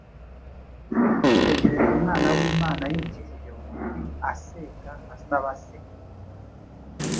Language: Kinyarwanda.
Itegereze Umwana w’Imana yicishije bugufi asenga asaba Se!